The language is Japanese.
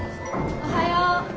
おはよう。